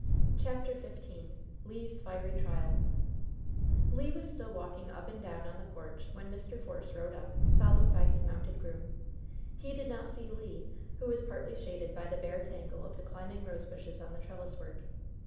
CHAPTER XV LE'S FIERY TRIAL Le was still walking up and down on the porch, when Mr. Force rode up, followed by his mounted groom. He did not see Le, who was partly shaded by the bare tangle of the climbing rose vines on the trelliswork.